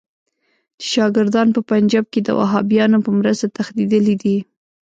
چې شاګردان په پنجاب کې د وهابیانو په مرسته تښتېدلي دي.